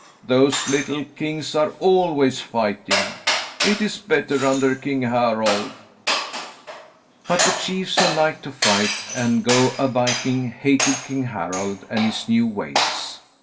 Those little kings are always fighting. It is better under King Harald." But the chiefs, who liked to fight and go a viking, hated King Harald and his new ways.